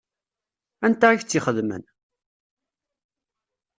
Anta i k-tt-ixedmen?